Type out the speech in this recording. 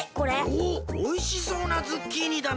おおおいしそうなズッキーニだな。